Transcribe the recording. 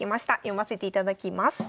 読ませていただきます。